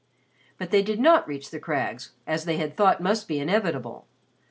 But they did not reach the crags, as they had thought must be inevitable.